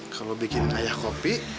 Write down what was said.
kalau bikin ayah kopi